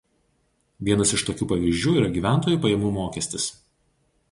Vienas iš tokių pavyzdžių yra gyventojų pajamų mokestis.